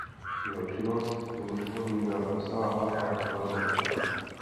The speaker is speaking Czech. Jeho činnost mimoškolní byla rozsáhlá a rozmanitá.